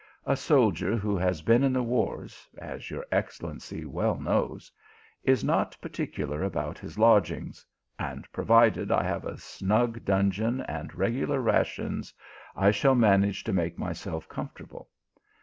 A soldier who has been in the wars, as your excel lency well knows, is not particular about his lodg ings ; and provided I have a snug dungeon and regu lar rations, I shall manage to make myself comfort able.